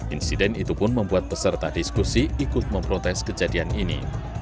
insiden itu pun membuat peserta diskusi ikut memprotes kejadian ini